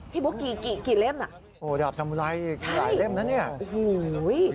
พี่พูดว่ากี่เล่มน่ะดาบชามูไรหลายเล่มน่ะเนี่ย